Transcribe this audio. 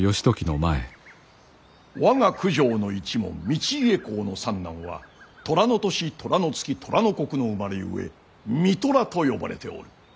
我が九条の一門道家公の三男は寅の年寅の月寅の刻の生まれゆえ三寅と呼ばれておる。